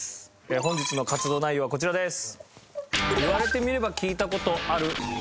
本日の活動内容はこちらです！